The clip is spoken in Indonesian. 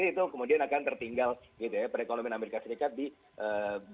itu kemudian akan tertinggal perekonomian amerika serikat di jangkauan